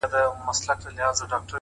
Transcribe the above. خو بس دا ستا تصوير به كور وران كړو،